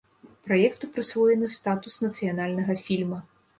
Праекту прысвоены статус нацыянальнага фільма.